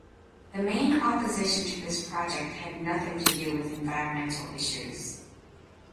The main opposition to this project had nothing to do with environmental issues.